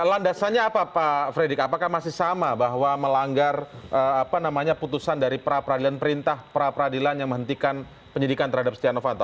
landasannya apa pak fredrik apakah masih sama bahwa melanggar putusan dari pra peradilan perintah peradilan yang menghentikan penyidikan terhadap setia novanto